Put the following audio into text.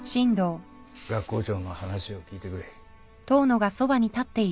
学校長の話を聞いてくれ。